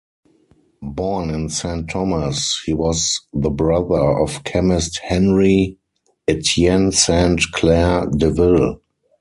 Born in Saint Thomas, he was the brother of chemist Henri Etienne Sainte-Claire Deville.